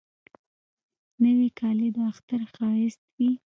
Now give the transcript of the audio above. نوې کالی د اختر ښایست وي